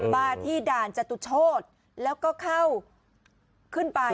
มาที่ด่านจตุโชธแล้วก็เข้าขึ้นไป